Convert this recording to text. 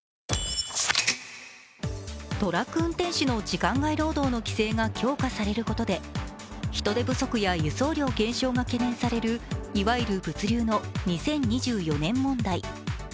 トラック運転手の時間外労働の規制が強化されることで人手不足や輸送量減少が懸念されるいわゆる物流の２０２４年問題。